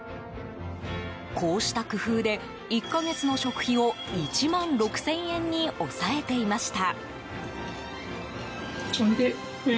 こうした工夫で、１か月の食費を１万６０００円に抑えていました。